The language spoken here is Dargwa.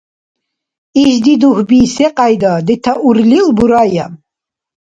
Ишди дугьби секьяйда детаурлил бурая.